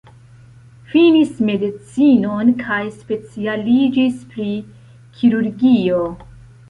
Finis medicinon kaj specialiĝis pri kirurgio.